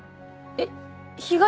えっ？